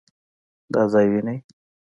دا ځای وينې؟